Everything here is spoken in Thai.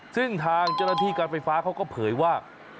ซึ่งทางเจ้าหน้าที่การไฟฟ้าเขาก็เผยว่า